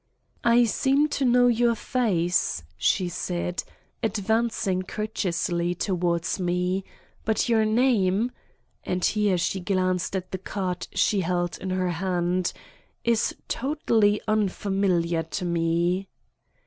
"I seem to know your face," she said, advancing courteously towards me, "but your name"—and here she glanced at the card she held in her hand—"is totally unfamiliar to me."